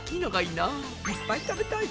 いっぱい食べたい。